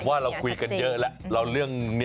ว่าเราคุยกันเยอะแล้ว